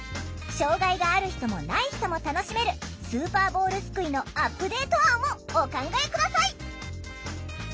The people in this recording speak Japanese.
障害がある人もない人も楽しめるスーパーボールすくいのアップデート案をお考え下さい！